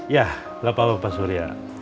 ya gak apa apa pak surya